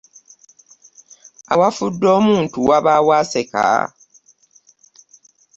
Awafudde omuntu wabaawo aseka?